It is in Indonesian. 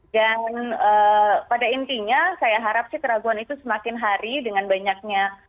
dan pada intinya saya harap sih keraguan itu semakin hari dengan banyaknya